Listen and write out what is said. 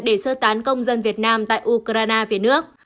để sơ tán công dân việt nam tại ukraine về nước